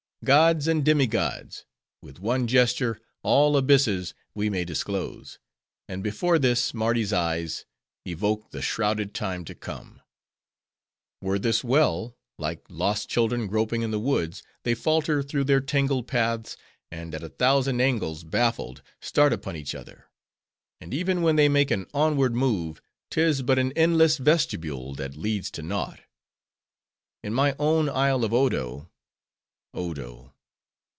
"Gods and demi gods! With one gesture all abysses we may disclose; and before this Mardi's eyes, evoke the shrouded time to come. Were this well? Like lost children groping in the woods, they falter through their tangled paths; and at a thousand angles, baffled, start upon each other. And even when they make an onward move, 'tis but an endless vestibule, that leads to naught. In my own isle of Odo—Odo!